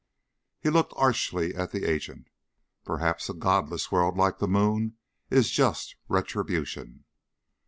He looked archly at the agent. "Perhaps a godless world like the moon is just retribution."